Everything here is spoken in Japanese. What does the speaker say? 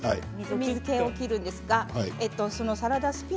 水けを取るんですね。